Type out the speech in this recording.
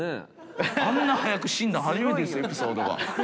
あんな早く死んだの初めてですよ、エピソードが。